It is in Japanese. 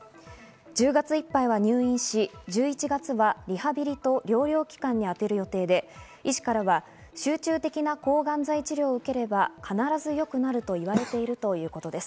１０月いっぱいは入院し、１１月はリハビリと療養期間にあてる予定で、医師からは集中的な抗がん剤治療を受ければ必ず良くなると言われているということです。